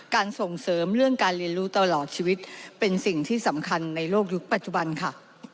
ส่งเสริมเรื่องการเรียนรู้ตลอดชีวิตเป็นสิ่งที่สำคัญในโลกยุคปัจจุบันค่ะ